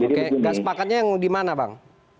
oke nggak sepakatnya yang dimana bang